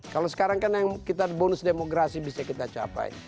kalau sekarang kan yang kita bonus demokrasi bisa kita capai